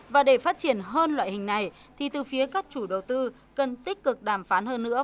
và để phát triển hơn loại hình này thì từ phía các chủ đầu tư cần tích cực đàm phán hơn nữa